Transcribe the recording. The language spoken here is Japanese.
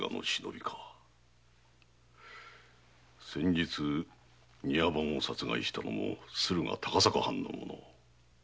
先日庭番を殺害したのも駿河・高坂藩の者。